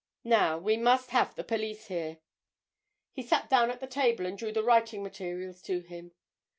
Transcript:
Now we must have the police here." He sat down at the table and drew the writing materials to him.